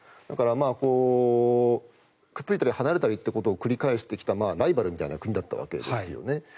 だから、くっついたり離れたりということを繰り返してきたライバルみたいな国だったわけですね。